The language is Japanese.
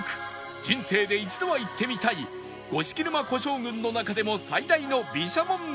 人生で一度は行ってみたい五色沼湖沼群の中でも最大の毘沙門沼と